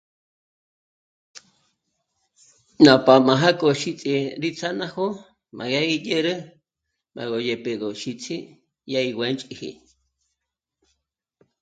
Ná p'à'a mája k'o xíts'i rí ts'á'a ná jó'o, má yá gí dyére b'á gó yépe gó xíts'i ya í guë̌nch'iji